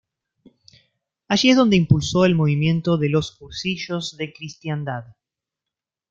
Allí es donde impulsó el movimiento de los Cursillos de Cristiandad.